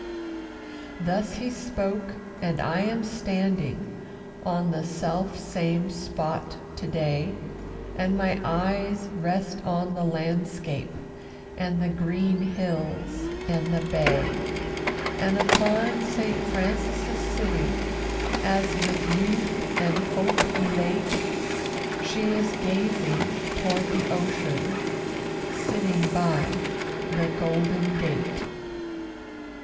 Thus he spoke, and I am standing On the self same spot to day, And my eyes rest on the landscape, And the green hills, and the bay, And upon Saint Francis' city, As, with youth and hope elate, She is gazing toward the ocean, Sitting by the Golden Gate.